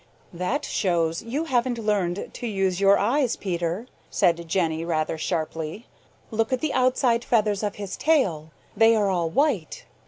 "That shows you haven't learned to use your eyes, Peter," said Jenny rather sharply. "Look at the outside feathers of his tail; they are all white.